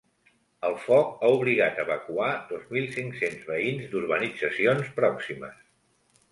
El foc ha obligat a evacuar dos mil cinc-cents veïns d’urbanitzacions pròximes.